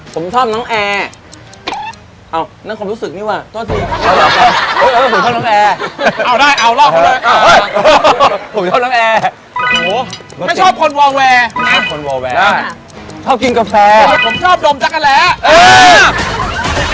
ผมชอบน้องแอนั่งความรู้สึกนี่ว่ะโทษสิผมชอบน้องแอไม่ชอบคนวอวแวชอบกินกาแฟผมชอบดมจักรแหละ